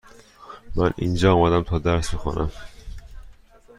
من اینجا آمدم تا درس بخوانم.